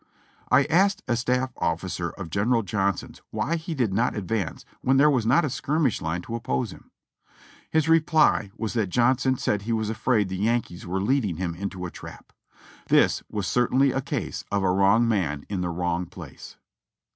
I asked a staff officer of General Johnson's why he did not ad vance when there was not even a skirmish line to oppose him? His reply was that Johnson said he was afraid the Yankees were leading him into a trap. This was certainly a case of a wrong man in the wrong place.